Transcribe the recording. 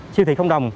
siêu thị không đồng